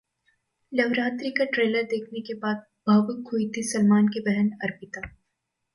'लवरात्रि' का ट्रेलर देखने के बाद भावुक हुई थीं सलमान की बहन अर्पिता